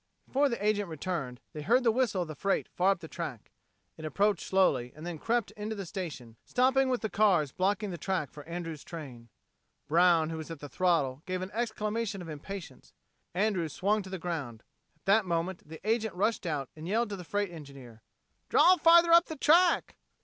Before the agent returned, they heard the whistle of the freight far up the track. It approached slowly, and then crept into the station, stopping with the cars blocking the track for Andrews' train. Brown, who was at the throttle, gave an exclamation of impatience. Andrews swung to the ground. At that moment the agent rushed out, and yelled to the freight engineer, "Draw farther up the track."